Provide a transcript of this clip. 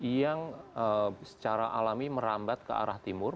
yang secara alami merambat ke arah timur